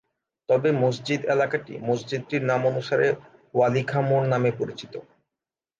তবে মসজিদ এলাকাটি মসজিদটির নাম অনুসারে ওয়ালী খাঁ মোড় নামে পরিচিত।